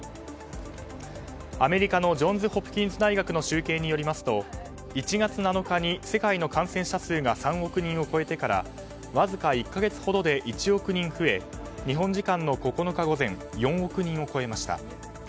アメリカのジョンズ・ホプキンス大学の集計によりますと１月７日に世界の感染者数が３億人を超えてからわずか１か月ほどで１億人増え日本時間の９日午前４億人を超えました。